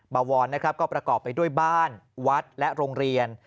บวรนะครับก็ประกอบไปด้วยบ้านวัดและโรงเรียน